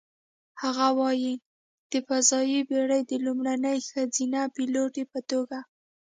هغه وايي: "د فضايي بېړۍ د لومړنۍ ښځینه پیلوټې په توګه،